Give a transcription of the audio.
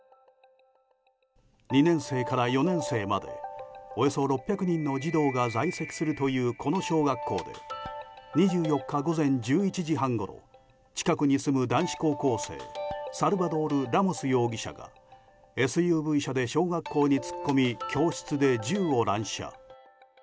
２年生から４年生までおよそ６００人の児童が在籍するというこの小学校で２４日午前１１時半ごろ近くに住む男子高校生サルバドール・ラモス容疑者がＳＵＶ車で小学校に突っ込み教室で銃を乱射。